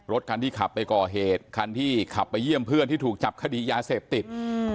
รถคันที่ขับไปก่อเหตุคันที่ขับไปเยี่ยมเพื่อนที่ถูกจับคดียาเสพติด